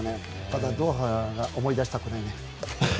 ただドーハは思い出したくない。